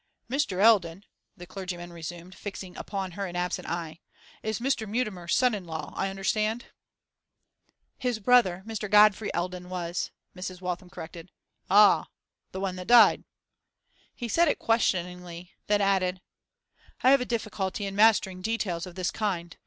'Mr. Eldon,' the clergyman resumed, fixing upon her an absent eye, 'is Mr. Mutimer's son in law, I understand?' 'His brother, Mr. Godfrey Eldon, was.' Mrs. Waltham corrected. 'Ah! the one that died?' He said it questioningly; then added 'I have a difficulty in mastering details of this kind.